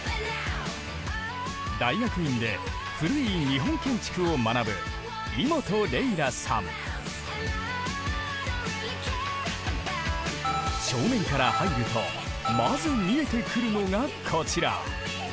大学院で古い日本建築を学ぶ正面から入るとまず見えてくるのがこちら。